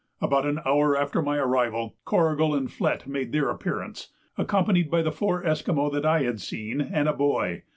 About an hour after my arrival, Corrigal and Flett made their appearance, accompanied by the four Esquimaux that I had seen and a boy.